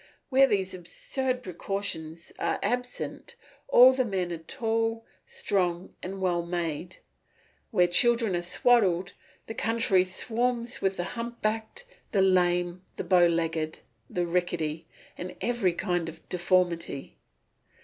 Where these absurd precautions are absent, all the men are tall, strong, and well made. Where children are swaddled, the country swarms with the hump backed, the lame, the bow legged, the rickety, and every kind of deformity.